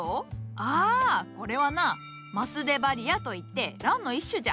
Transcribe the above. ああこれはなマスデバリアといってランの一種じゃ。